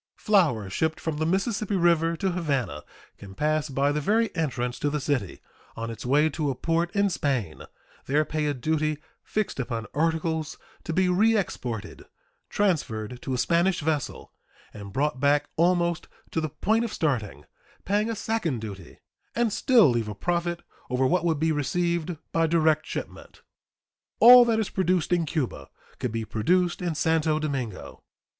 Flour shipped from the Mississippi River to Havana can pass by the very entrance to the city on its way to a port in Spain, there pay a duty fixed upon articles to be reexported, transferred to a Spanish vessel and brought back almost to the point of starting, paying a second duty, and still leave a profit over what would be received by direct shipment. All that is produced in Cuba could be produced in Santo Domingo.